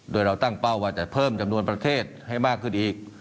โดยเราตั้งเป้าว่าจะเพิ่มจำนวนประเทศให้มากขึ้นอีก